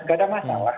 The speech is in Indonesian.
tidak ada masalah